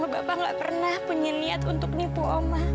bapak nggak pernah punya niat untuk nipu oma